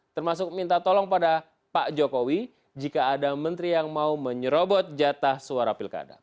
termasuk minta tolong pada pak jokowi jika ada menteri yang mau menyerobot jatah suara pilkada